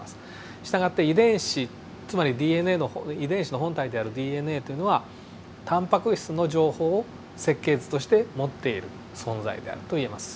従って遺伝子つまりＤＮＡの遺伝子の本体であるＤＮＡっていうのはタンパク質の情報を設計図として持っている存在であるといえます。